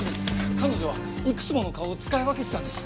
彼女はいくつもの顔を使い分けてたんです。